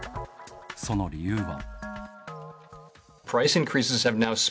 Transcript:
その理由は。